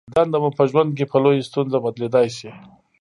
دنده مو په ژوند کې په لویې ستونزه بدلېدای شي.